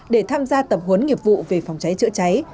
để tham gia tập huấn nghiệp vụ về phòng cháy chữa cháy